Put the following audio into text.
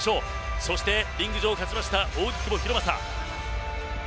そしてリング上、勝ちました扇久保博正。